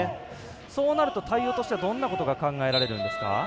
そうなると対応としてはどんなことが考えられますか？